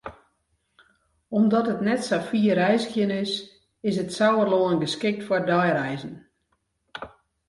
Omdat it net sa fier reizgjen is, is it Sauerlân geskikt foar deireizen.